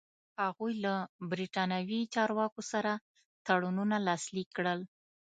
هغوی له برېټانوي چارواکو سره تړونونه لاسلیک کړل.